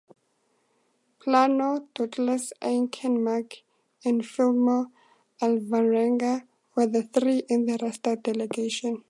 Planno, Douglas Aiken Mack, and Fillmore Alvaranga were the three in the Rasta delegation.